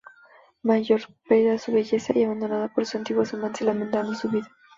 Mayor, perdida su belleza y abandonada por sus antiguos amantes, lamentando su vida.